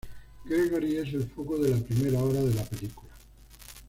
Gregory es el foco de la primera hora de la película.